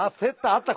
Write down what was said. あった。